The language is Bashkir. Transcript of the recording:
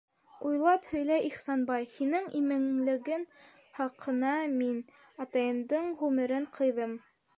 Уйлап һөйлә, Ихсанбай... һинең именлегең хаҡына мин... атайыңдың ғүмерен ҡыйҙым!